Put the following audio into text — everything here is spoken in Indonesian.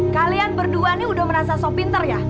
kalian berdua ini udah merasa so pinter ya